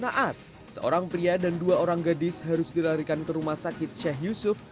naas seorang pria dan dua orang gadis harus dilarikan ke rumah sakit sheikh yusuf